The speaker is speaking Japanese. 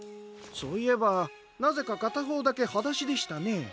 そういえばなぜかかたほうだけはだしでしたね。